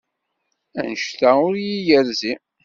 Anect-a ur iyi-yerzi.